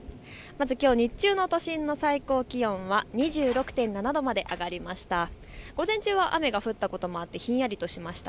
きょう日中の都心の最高気温は２６．７度まで上がりました。